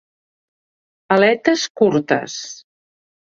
Aletes curtes.